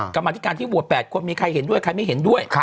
กรรมธิการที่โหวต๘คนมีใครเห็นด้วยใครไม่เห็นด้วย